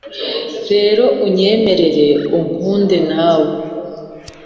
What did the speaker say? rero unyemerere unkunde nawe